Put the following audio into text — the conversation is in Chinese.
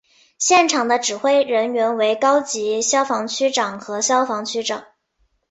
现场的指挥人员为高级消防区长和消防区长。